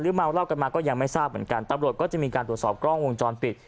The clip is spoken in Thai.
เมาเหล้ากันมาก็ยังไม่ทราบเหมือนกันตำรวจก็จะมีการตรวจสอบกล้องวงจรปิด